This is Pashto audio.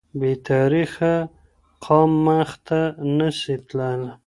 بې تاریخه قام مخته نه سي تلای